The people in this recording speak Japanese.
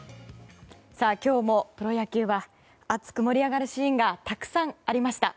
今日もプロ野球は熱く盛り上がるシーンがたくさんありました。